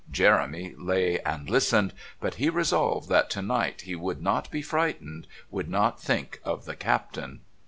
Jeremy lay and listened; but he resolved that to night he would not be frightened, would not think of the Captain.